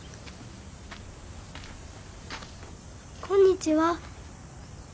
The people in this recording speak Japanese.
こんにちは。